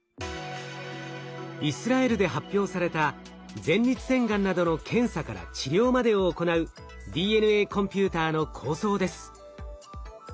イスラエルで発表された前立腺がんなどの検査から治療までを行うＤＮＡコンピューターの構想です。